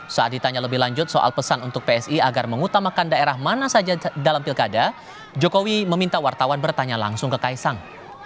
saat ditanya lebih lanjut soal pesan untuk psi agar mengutamakan daerah mana saja dalam pilkada jokowi meminta wartawan bertanya langsung ke kaisang